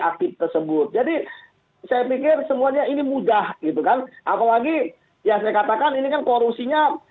aktif tersebut jadi saya pikir semuanya ini mudah gitu kan apalagi ya saya katakan ini kan korupsinya